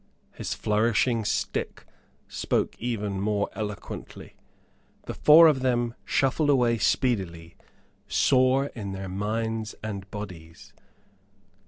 His flourishing stick spoke even more eloquently. The four of them shuffled away speedily, sore in their minds and bodies.